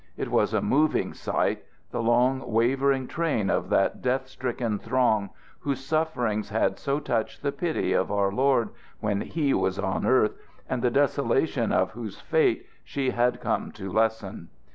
It was a moving sight the long, wavering train of that death stricken throng, whose sufferings had so touched the pity of our Lord when he was on earth, and the desolation of whose fate she had come to lessen.